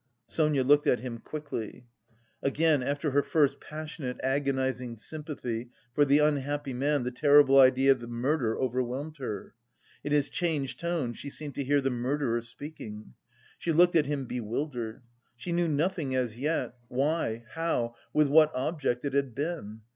Sonia looked at him quickly. Again after her first passionate, agonising sympathy for the unhappy man the terrible idea of the murder overwhelmed her. In his changed tone she seemed to hear the murderer speaking. She looked at him bewildered. She knew nothing as yet, why, how, with what object it had been.